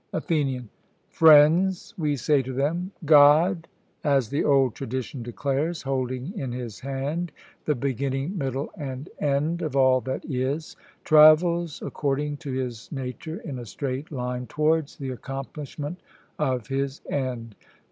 ATHENIAN: 'Friends,' we say to them, 'God, as the old tradition declares, holding in his hand the beginning, middle, and end of all that is, travels according to His nature in a straight line towards the accomplishment of His end.